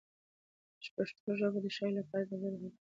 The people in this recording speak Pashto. پښتو ژبه د شاعرۍ لپاره ځانګړی خوند او ژور هنري رنګ لري.